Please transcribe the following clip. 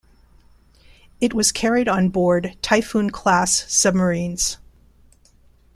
It was carried on board Typhoon-class submarines.